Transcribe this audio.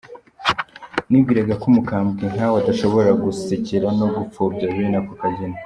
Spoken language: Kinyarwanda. Nibwiraga ko umukambwe nkawe adashobora gusekera no gupfobya bene ako kageni.